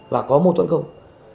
và có mâu thuẫn không